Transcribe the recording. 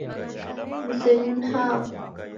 Mzenyu ni hao?